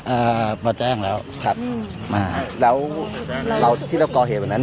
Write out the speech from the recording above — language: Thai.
อ่ามาแจ้งแล้วครับมาแล้วเราที่เราก่อเหตุวันนั้น